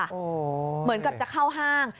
โอ้โฮเหมือนกับจะเข้าห้าง